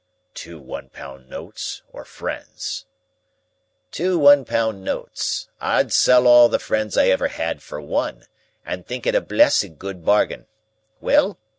"Two one pound notes, or friends?" "Two one pound notes. I'd sell all the friends I ever had for one, and think it a blessed good bargain. Well?